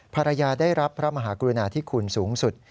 ภรรยาได้รับพระมหากรุณาธิคุณสูงสุด